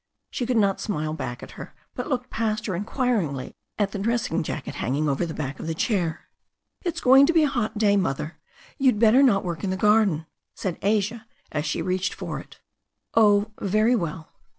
She could not smile back at her, but she looked past her inquiringly at her dressing jacket hang ing over the back of the chair. "It's going to be a hot day. Mother. You'd better not work in the garden," said Asia, as she reached for it. '*0h, very well."